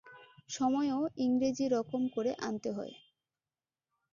সময়ও ইংরেজী-রকম করে আনতে হয়।